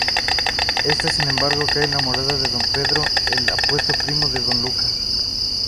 Ésta sin embargo, cae enamorada de Don Pedro, el apuesto primo de Don Lucas.